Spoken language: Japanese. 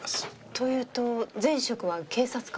というと前職は警察官？